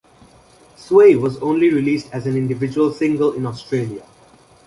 "Sway" was only released as an individual single in Australia.